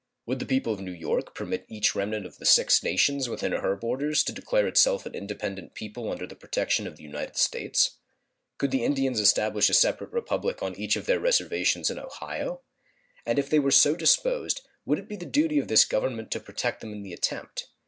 Would the people of New York permit each remnant of the six Nations within her borders to declare itself an independent people under the protection of the United States? Could the Indians establish a separate republic on each of their reservations in Ohio? And if they were so disposed would it be the duty of this Government to protect them in the attempt?